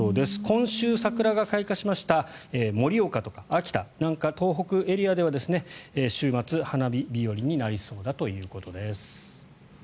今週、桜が開花しました盛岡とか秋田なんかの東北エリアでは週末、花見日和になりそうだということです。